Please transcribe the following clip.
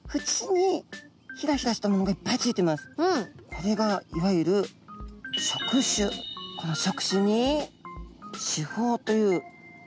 これがいわゆるこの触手に刺胞という毒があるんですね。